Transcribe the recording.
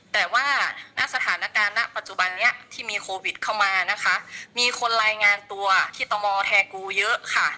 แต่ว่าณสถานการณ์ณปัจจุบันนี้ที่มีโควิดเข้ามานะคะมีคนรายงานตัวที่ตมแทกูเยอะค่ะ